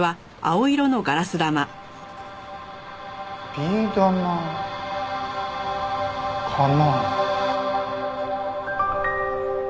ビー玉かな？